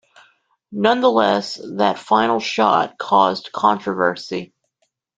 Nonetheless, that final shot caused controversy.